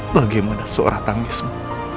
bagaimana suara tangismu